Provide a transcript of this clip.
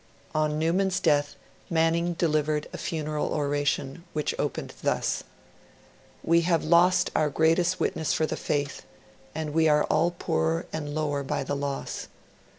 On Newman's death, Manning delivered a funeral oration, which opened thus: 'We have lost our greatest witness for the Faith, and we are all poorer and lower by the loss.